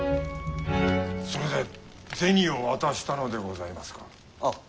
それで銭を渡したのでございますか？